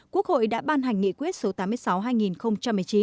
quốc hội đã ban hành nghị quyết số tám mươi sáu hai nghìn một mươi chín